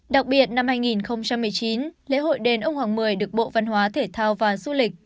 đặc biệt năm hai nghìn một mươi chín lễ hội đền ông hoàng mười được bộ văn hóa thể thao và du lịch